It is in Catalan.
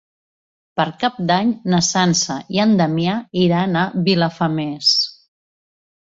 Per Cap d'Any na Sança i en Damià iran a Vilafamés.